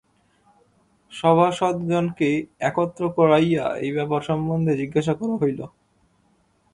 সভাসদগণকে একত্র করাইয়া এই ব্যাপার সম্বন্ধে জিজ্ঞাসা করা হইল।